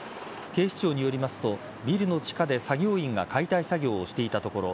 警視庁によりますとビルの地下で作業員が解体作業をしていたところ